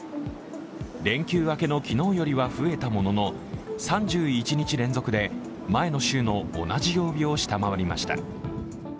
連休明けの昨日よりは増えたものの３１日連続で前の週の同じ曜日を下回りました。